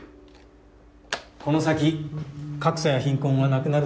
この先格差や貧困はなくなると思うかい？